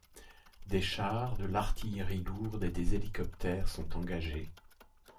Des chars, de l'artillerie lourde et des hélicoptères sont engagés.